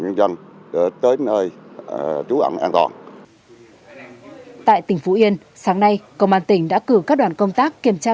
nhân dân tới nơi trú ẩn an toàn tại tỉnh phú yên sáng nay công an tỉnh đã cử các đoàn công tác kiểm tra